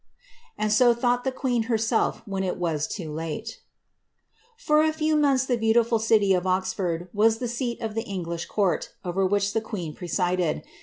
'' And so thought the queen herself when it was too late. For a few months the beautiful city of Oxford was the seat of the Eng lish court, over which the queen presided.